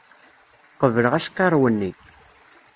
Qebleɣ acqiṛew-nni!